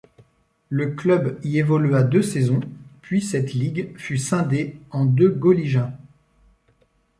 Le club y évolua deux saisons puis cette ligue fut scindée en deux gauligen.